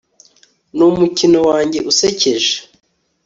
numukino wanjye usekeje